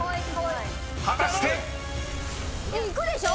［果たして⁉］いくでしょ